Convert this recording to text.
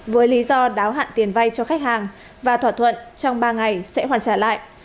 với lý do đáo hạn tiền vay cho khách hàng và thỏa thuận trong ba ngày sẽ hoàn trả lại